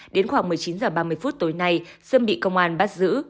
đến khoảng một mươi chín h ba mươi phút tối nay sâm bị công an bắt giữ